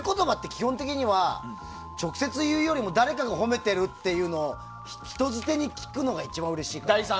基本的には直接言うよりも誰かが褒めてるっていうのを人づてに聞くのが一番うれしいから。